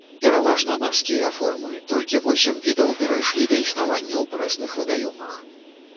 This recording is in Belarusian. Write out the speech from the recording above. Пераважна марскія формы, толькі восем відаў перайшлі да існавання ў прэсных вадаёмах.